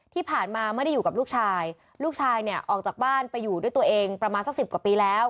ที่ผ่านมาไม่ได้อยู่กับลูกชายลูกชายเนี่ยออกจากบ้านไปอยู่ด้วยตัวเองประมาณสักสิบกว่าปีแล้ว